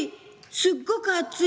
すっごくあつい！